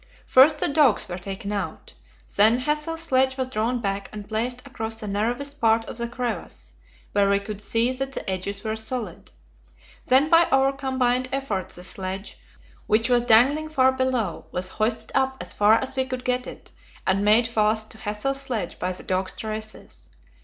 First the dogs were taken out; then Hassel's sledge was drawn back and placed across the narrowest part of the crevasse, where we could see that the edges were solid. Then by our combined efforts the sledge, which was dangling far below, was hoisted up as far as we could get it, and made fast to Hassel's sledge by the dogs' traces.